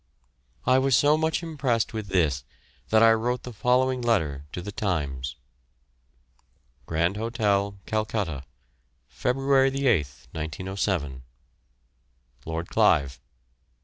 I was so much impressed with this that I wrote the following letter to The Times: Grand Hotel, Calcutta, Feb. 8th, 1907. LORD CLIVE.